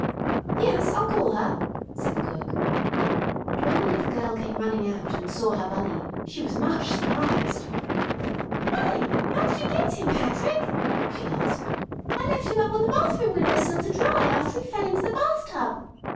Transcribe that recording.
"Yes, I'll call her," said the cook. And when the little girl came running out and saw her Bunny, she was much surprised. "Why! Why! How did you get him, Patrick?" she asked. "I left him up on the bathroom window sill to dry, after he fell into the bathtub."